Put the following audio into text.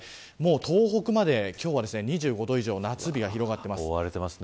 東北まで今日は２５度以上の夏日が広がっています。